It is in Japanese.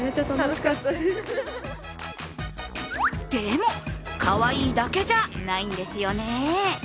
でも、かわいいだけじゃないんですよね。